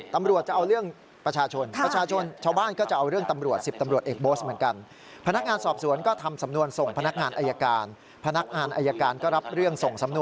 ตำรวจจะเอาเรื่องประชาชน